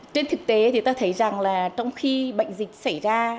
trên thực tế thì ta thấy rằng là trong khi bệnh dịch xảy ra